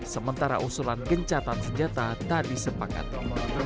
sementara usulan gencatan senjata tak disepakati